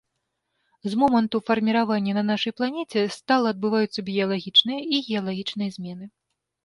З моманту фарміравання на нашай планеце стала адбываюцца біялагічныя і геалагічныя змены.